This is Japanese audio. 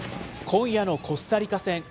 今夜のコスタリカ戦。